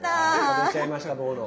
出ちゃいましたボーノ。